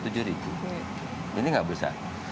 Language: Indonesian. jadi enggak besar